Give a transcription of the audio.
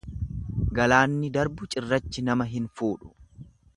Galaanni darbu cirrachi nama hin fuudhu.